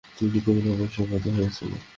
তিনি গভীরভাবে শোকাহত হয়েছিলেন।